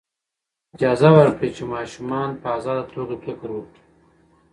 اجازه ورکړئ چې ماشومان په ازاده توګه فکر وکړي.